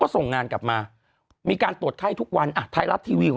ส่งงานกลับมามีการตรวจไข้ทุกวันอ่ะไทยรัฐทีวีของ